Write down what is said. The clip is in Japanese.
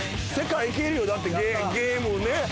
だってゲームね